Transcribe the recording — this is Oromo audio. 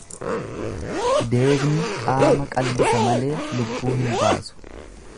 Deegni qaama qallisa malee lubbuu hin baasu.